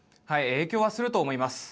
影響はすると思います。